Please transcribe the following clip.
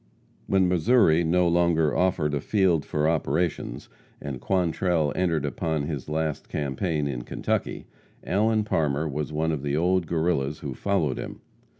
] When Missouri no longer offered a field for operations, and Quantrell entered upon his last campaign in Kentucky, Allen Parmer was one of the old Guerrillas who followed him.